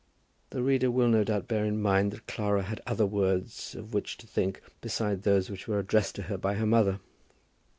The reader will no doubt bear in mind that Clara had other words of which to think besides those which were addressed to her by her mother.